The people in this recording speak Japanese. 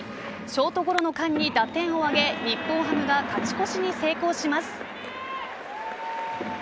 ショートゴロの間に打点を挙げ日本ハムが勝ち越しに成功します。